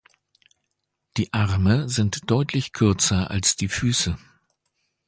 Die Arme sind deutlich kürzer als die Füße.